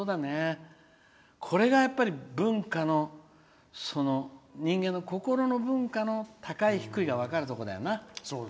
これが、文化の人間の心の文化の高い低いが分かるとこだよな。